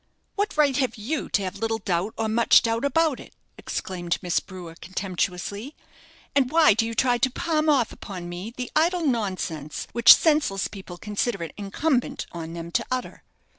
"What right have you to have little doubt or much doubt about it?" exclaimed Miss Brewer, contemptuously; "and why do you try to palm off upon me the idle nonsense which senseless people consider it incumbent on them to utter?